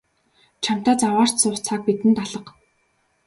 Чамтай заваарч суух цаг бидэнд алга.